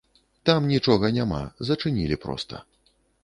Там нічога няма, зачынілі проста.